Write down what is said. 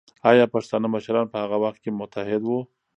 ایا پښتانه مشران په هغه وخت کې متحد وو؟